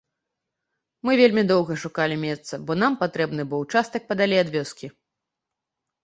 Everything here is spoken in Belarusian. Мы вельмі доўга шукалі месца, бо нам патрэбны быў участак падалей ад вёскі.